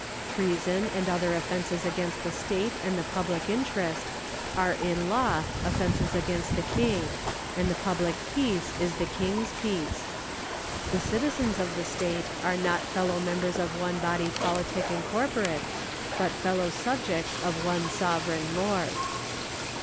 Treason and other offences against the state and the public interest are in law offences against the King, and the public peace is the King's peace. The citizens of the state are not fellow members of one body politic and corporate, but fellow subjects of one sovereign lord.